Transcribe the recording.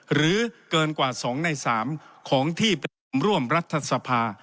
หรือเกินกว่าสองในสามของที่เป็นร่วมรัฐธรรภา